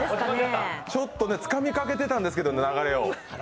ちょっとつかみかけてたんですけどね、流れを。